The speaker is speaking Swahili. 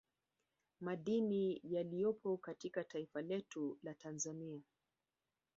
Madini yaliyopo katika taifa letu la Tanzania